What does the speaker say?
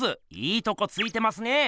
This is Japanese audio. いいとこついてますね。